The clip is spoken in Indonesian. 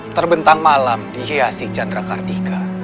terbentang malam di hiasi candrakartika